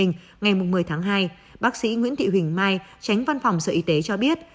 ngày một mươi tháng hai bác sĩ nguyễn thị huỳnh mai tránh văn phòng sở y tế cho biết